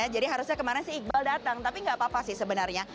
jadi harusnya kemarin si iqbal datang tapi nggak apa apa sih sebenarnya